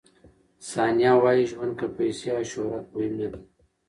ثانیه وايي، ژوند کې پیسې او شهرت مهم نه دي.